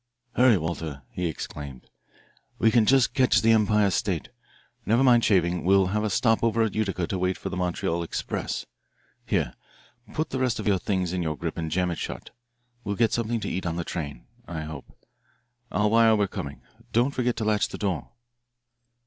"Hurry, Walter," he exclaimed. "We can just catch the Empire State. Never mind shaving we'll have a stopover at Utica to wait for the Montreal express. Here, put the rest of your things in your grip and jam it shut. We'll get something to eat on the train I hope. I'll wire we're coming. Don't forget to latch the door."